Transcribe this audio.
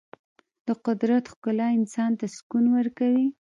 د قدرت ښکلا انسان ته سکون ورکوي.